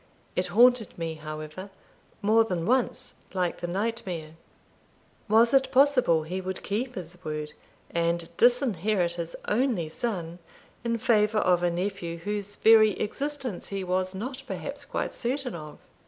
It haunted me, however, more than once, like the nightmare. Was it possible he would keep his word, and disinherit his only son in favour of a nephew whose very existence he was not perhaps quite certain of?